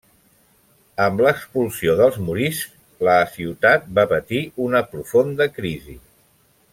Amb l'expulsió dels moriscs, la ciutat va patir una profunda crisi.